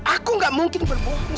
aku gak mungkin berbohong